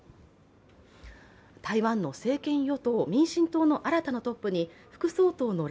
台湾の政権与党・民進党の新たなトップに副総統の頼